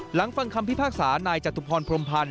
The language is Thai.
ฟังคำพิพากษานายจตุพรพรมพันธ์